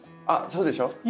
あっそうでしょ？